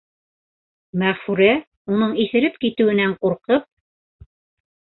Мәғфүрә уның иҫереп китеүенән ҡурҡып: